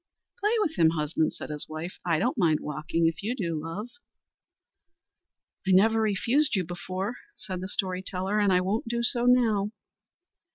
"Play with him, husband," said his wife. "I don't mind walking, if you do, love." "I never refused you before," said the story teller, "and I won't do so now."